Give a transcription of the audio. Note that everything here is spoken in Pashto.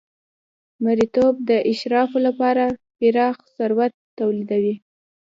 مریتوب د اشرافو لپاره پراخ ثروت تولیدوي.